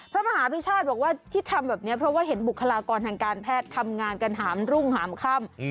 พระมหาพิชาติบอกว่าที่ทำแบบนี้เพราะว่าเห็นบุคลากรทางการแพทย์ทำงานกันหามรุ่งหามค่ำ